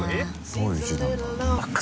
どういう字なんだろう？